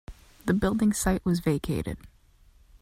The building site was vacated.